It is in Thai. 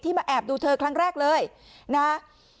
มาแอบดูเธอครั้งแรกเลยนะ